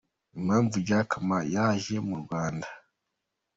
Impamvu Jack Ma yaje mu Rwanda.